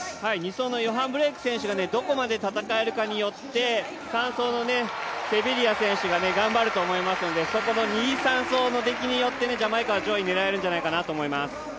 ２走のヨハン・ブレイク選手がどこまで戦えるのかによって３走のセビリア選手が頑張ると思いますので、そこの２、３走のできによってジャマイカは上位を狙えるんじゃないかと思います。